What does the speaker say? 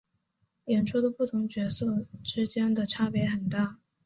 演出的不同角色之间的差别很大。